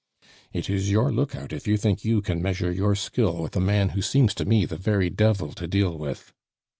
It is your lookout if you think you can measure your skill with a man who seems to me the very devil to deal with."